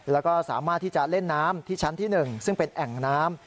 แล้วก็สามารถที่จะเล่นน้ำที่ชั้นที่๑ซึ่งเป็นแอ่งน้ำ